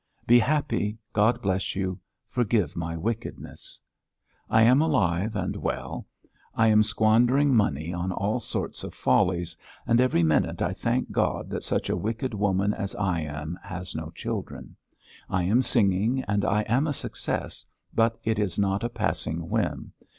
"Be happy. God bless you. Forgive my wickedness. "I am alive and well. I am squandering money on all sorts of follies, and every minute I thank God that such a wicked woman as I am has no children. I am singing and I am a success, but it is not a passing whim.